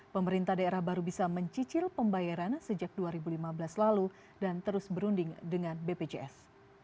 pemerintah daerah baru bisa mencicil pembayaran sejak dua ribu lima belas lalu dan terus berunding dengan bpjs